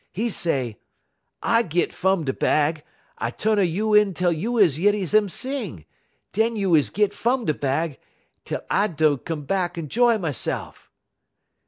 'E say: "'I git fum da bag. I tu'n a you in tel you is yeddy dem sing. Dun you is git fum da bag, tel I do come bahk un 'joy mese'f.'